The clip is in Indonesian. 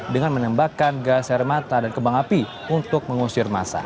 dengan menembakkan gas air mata dan kembang api untuk mengusir masa